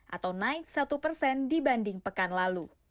atau naik satu persen dibanding pekan lalu